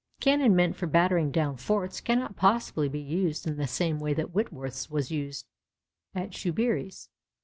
Cannon meant for battering down forts cannot possibly be used in the same way that Whitworth's was used at Shoeburyness.